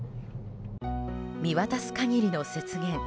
見渡す限りの雪原。